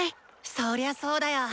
そりゃそうだよ！